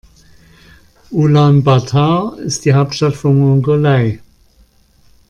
Ulaanbaatar ist die Hauptstadt von Mongolei.